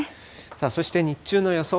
そして日中の予想